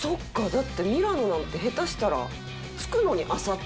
だってミラノなんて下手したら着くのにあさってとかですよね。